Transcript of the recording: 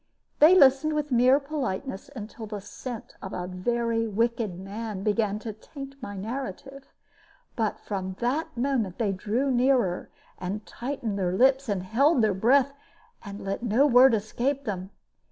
They listened with mere politeness until the scent of a very wicked man began to taint my narrative; but from that moment they drew nearer, and tightened their lips, and held their breath, and let no word escape them.